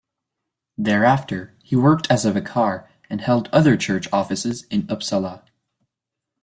Thereafter he worked as a vicar and held other church offices in Uppsala.